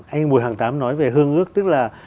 anh bùi hàng tám nói về hương ước tức là